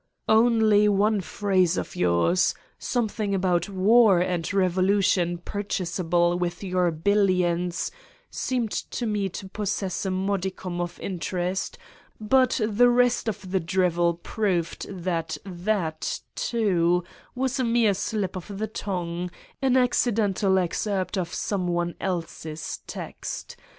"Only one phrase of yours, something aboi war and revolution purchasable with your billions seemed to me to possess a modicum of interest, 124 Satan's Diary but the rest of the drivel proved that that, too, was a mere slip of the tongue, an accidental ex cerpt of some one else's text.